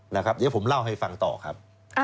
นะครับเดี๋ยวผมเล่าให้ฟังต่อครับ